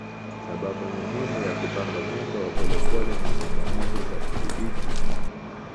Sababu muhimu ya kupanga mwendo wa polepole ni changamoto za udhibiti.